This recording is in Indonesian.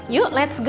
yuk let's go